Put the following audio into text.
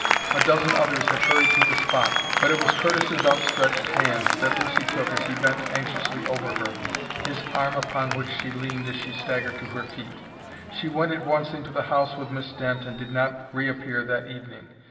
A dozen others had hurried to the spot, but it was Curtis's outstretched hand that Lucy took as he bent anxiously over her, his arm upon which she leaned as she staggered to her feet. She went at once into the house with Miss Dent, and did not reappear that evening.